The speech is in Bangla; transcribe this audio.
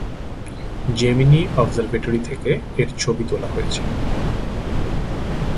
জেমিনি অবজারভেটরি থেকে এর ছবি তোলা হয়েছে।